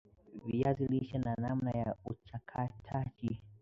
viazi lishe na namna ya uchakataji